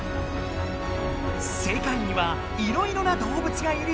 世界にはいろいろな動物がいるよね。